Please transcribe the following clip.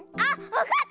わかった！